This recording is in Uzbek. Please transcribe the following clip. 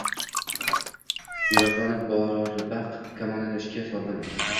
Yuguroqlanib boriboq, kamonimni ishga soldim